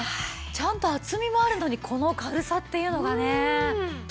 ちゃんと厚みもあるのにこの軽さっていうのがね。